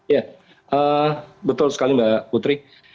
ya betul sekali mbak putri